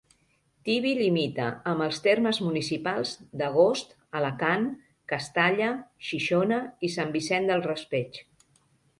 Tibi limita amb els termes municipals d'Agost, Alacant, Castalla, Xixona i Sant Vicent del Raspeig.